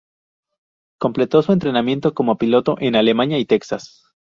Completó su entrenamiento como piloto en Alemania y Texas.